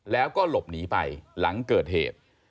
แล้วก็หลบหนีไปหลังเกิดเหตุ